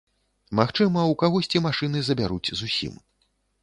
Магчыма, у кагосьці машыны забяруць зусім.